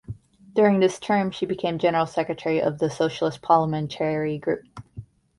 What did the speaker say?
During this term she became general secretary of the Socialist parliamentary group.